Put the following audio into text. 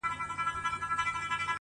o زما په څېره كي، ښكلا خوره سي،